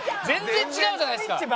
全然違うじゃないですか。